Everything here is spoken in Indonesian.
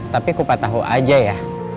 tapi kupat tahu aja ya